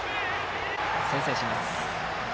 先制します。